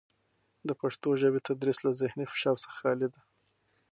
د پښتو ژبې تدریس له زهني فشار څخه خالي دی.